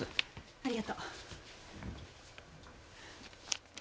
ありがとう。